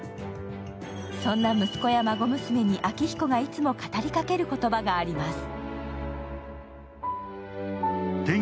そんな息子や孫娘に昭彦がいつも語りかける言葉があります。